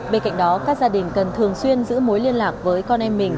bên cạnh đó các gia đình cần thường xuyên giữ mối liên lạc với con em mình